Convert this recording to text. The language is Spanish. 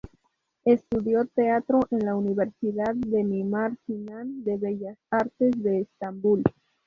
Estudió Teatro en la Universidad de Mimar Sinan de Bellas Artes de Estambul.